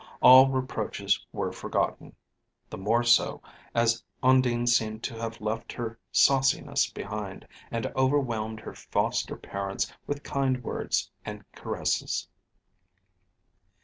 All reproaches were forgotten; the more so, as Undine seemed to have left her sauciness behind, and overwhelmed her foster parents with kind words and caresses.